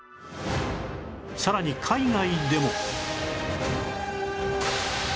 さらに海外でも